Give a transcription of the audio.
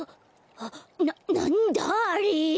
あっななんだあれ？